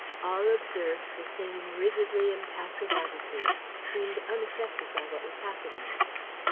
All observed the same rigidly impassive attitude, seemed unaffected by what was happening.